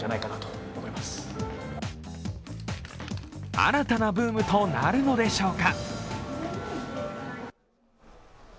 新たなブームとなるのでしょうか？